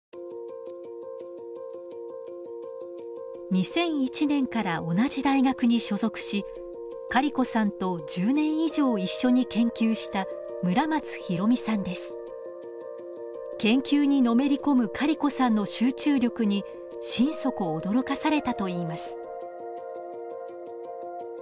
２００１年から同じ大学に所属しカリコさんと１０年以上一緒に研究した研究にのめり込むカリコさんの集中力に心底驚かされたといいます。